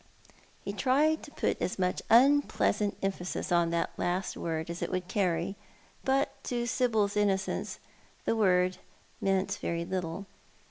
lie tried to put as much unpleasant emphasis upon that last Avord as it would carry; but to Sibyl's innocence the word meant very little.